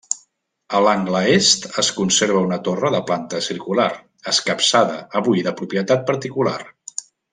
A l'angle est es conserva una torre de planta circular, escapçada, avui de propietat particular.